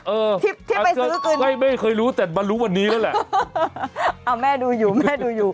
เออไม่เคยรู้แต่มารู้วันนี้แล้วแหละ